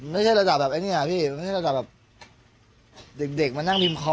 ไม่ใช่ระดับแบบไอ้เนี้ยอ่ะพี่มันไม่ใช่ระดับแบบเด็กเด็กมานั่งพิมพ์คอมอ่ะ